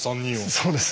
そうです。